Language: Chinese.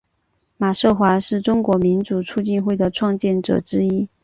马寿华是中国民主促进会的创建者之一。